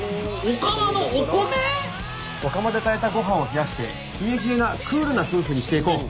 お釜で炊いたご飯を冷やして冷え冷えなクールな夫婦にしていこう！